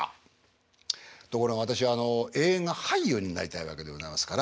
ところが私は映画俳優になりたいわけでございますから。